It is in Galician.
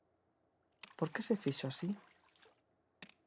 Por que se fixo así?